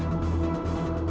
aku mau ke rumah